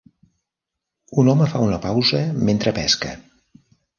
Un home fa una pausa mentre pesca